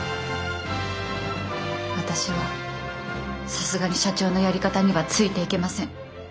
私はさすがに社長のやり方にはついていけません。